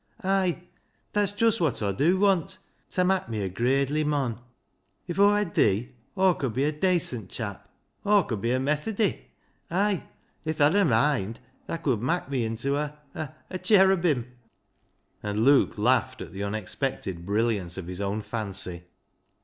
" Ay, that's just wot Aw dew want, ta mak' me a gradely mon. If Aw hed thee. Aw could be a dacent chap. Aw could be a Methody ; ay, if tha'd a moind thaa could mak' me into a, a — cherubim," and Luke laughed at the unexpected brilliance of his own fancy.